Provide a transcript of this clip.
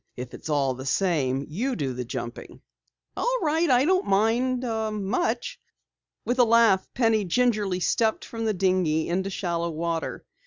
"If it's all the same, you do the jumping." "All right, I don't mind much." With a laugh, Penny gingerly stepped from the dinghy into shallow water.